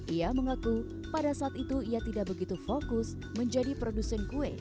ia mengaku pada saat itu ia tidak begitu fokus menjadi produsen kue